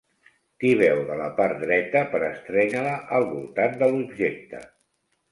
Tibeu de la part dreta per estrènyer-la al voltant de l'objecte.